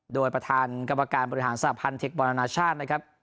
โดยประธานกรรมการบริหารสหพันธ์เทคบอลอนาชาตินะครับ